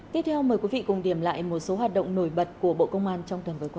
tiếp theo mời quý vị cùng điểm lại một số hoạt động nổi bật của bộ công an trong tuần vừa qua